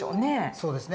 そうですね。